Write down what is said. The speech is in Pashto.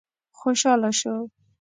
خوشاله شو.